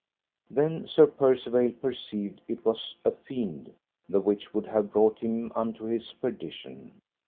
Then Sir Percivale perceived it was a fiend, the which would have brought him unto his perdition.